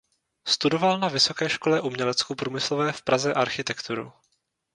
Studoval na Vysoké škole uměleckoprůmyslové v Praze architekturu.